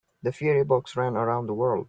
The fiery fox ran around the world.